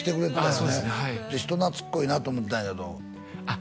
そうですねはいで人懐っこいなと思ったんやけどあっ